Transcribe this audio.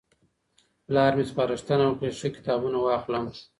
پلار مي سپارښتنه وکړه چي ښه کتابونه واخلم.